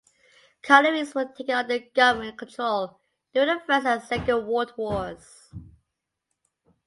Collieries were taken under government control during the First and Second World Wars.